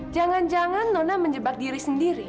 jangan jangan nona menjebak diri sendiri